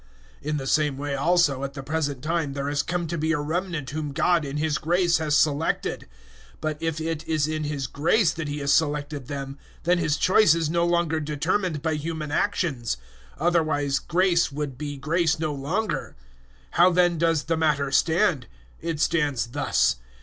011:005 In the same way also at the present time there has come to be a remnant whom God in His grace has selected. 011:006 But if it is in His grace that He has selected them, then His choice is no longer determined by human actions. Otherwise grace would be grace no longer. 011:007 How then does the matter stand? It stands thus.